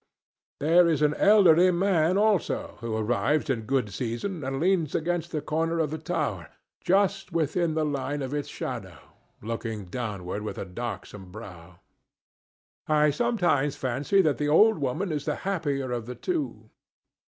There is an elderly man, also, who arrives in good season and leans against the corner of the tower, just within the line of its shadow, looking downward with a darksome brow. I sometimes fancy that the old woman is the happier of the two.